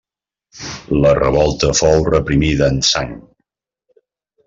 La revolta fou reprimida en sang.